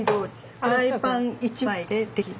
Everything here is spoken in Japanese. フライパン一枚で出来る。